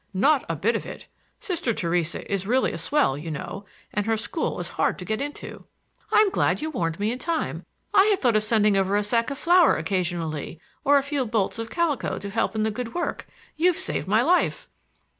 "Not a bit of it! Sister Theresa is really a swell, you know, and her school is hard to get into." "I'm glad you warned me in time. I had thought of sending over a sack of flour occasionally, or a few bolts of calico to help on the good work. You've saved my life."